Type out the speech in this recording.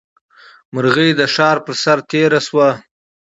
مرغۍ د ښار پر سر تېره شوه.